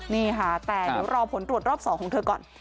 นี่ค่ะแต่เดี๋ยวรอผลตรวจรอบ๒ของเธอก่อน